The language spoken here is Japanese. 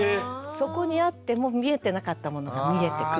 そこにあっても見えてなかったものが見えてくるっていう。